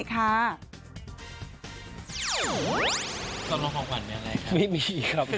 สำหรับของขวัญเป็นอะไรครับ